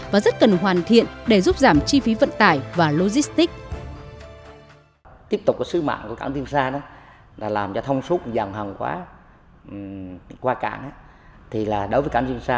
và rất cần hoàn thiện để giúp giảm chi phí vận tải và logistics